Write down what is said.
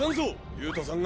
憂太さんが。